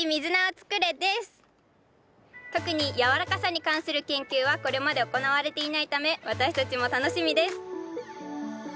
特にやわらかさに関する研究はこれまで行われていないため私たちも楽しみです。